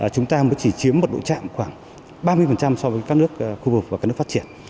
chúng ta chỉ chiếm một đội trạm khoảng ba mươi so với các nước khu vực và các nước phát triển